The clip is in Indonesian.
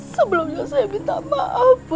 sebelumnya saya minta maaf